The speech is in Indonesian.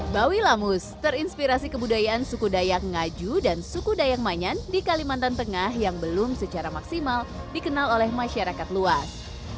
bawi lamus terinspirasi kebudayaan suku dayak ngaju dan suku dayak manyan di kalimantan tengah yang belum secara maksimal dikenal oleh masyarakat luas